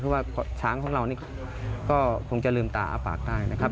เพราะว่าช้างของเรานี่ก็คงจะลืมตาอ้าปากได้นะครับ